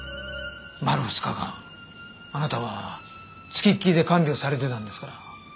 丸２日間あなたは付きっきりで看病されてたんですから。